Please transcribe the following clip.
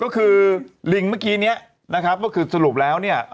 ก็คือลิงเมื่อกี้เนี้ยนะครับก็คือสรุปแล้วเนี่ย